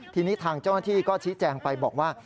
ทีนี้ทางเจ้าหน้าที่ก็ชี้แจงไปบอกว่า